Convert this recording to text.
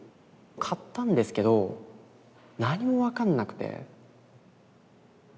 買ったんですけど何も分かんなくて。